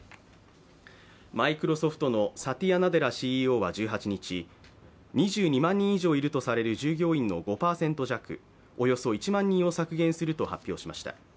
マイクロソフトのサティア・ナデラＣＥＯは１８日、２２万人以上いるとされる従業員の５％弱、およそ１万人を削減すると発表しました。